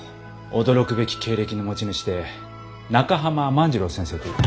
驚くべき経歴の持ち主で中濱万次郎先生という。